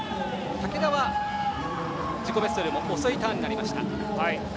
竹田は自己ベストよりも遅いターンになりました。